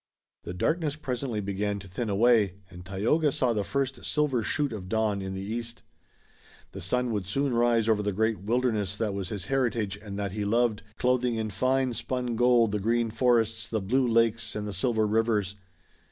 The darkness presently began to thin away, and Tayoga saw the first silver shoot of dawn in the east. The sun would soon rise over the great wilderness that was his heritage and that he loved, clothing in fine, spun gold the green forests, the blue lakes and the silver rivers.